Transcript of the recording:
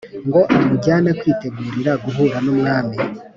ngo amujyanye kwitegurira guhura numwami"